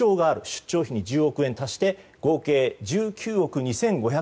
出張費に１０億円足して合計１９億２５００万円。